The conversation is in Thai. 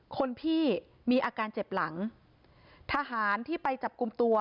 คนพี่มีอาการเจ็บหลังทหารที่ไปจับกลุ่มตัว